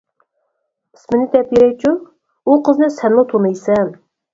ئىسمىنى دەپ بېرەيچۇ، ئۇ قىزنى سەنمۇ تونۇيسەن.